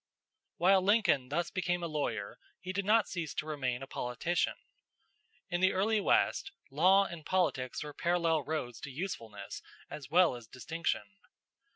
While Lincoln thus became a lawyer, he did not cease to remain a politician. In the early West, law and politics were parallel roads to usefulness as well as distinction.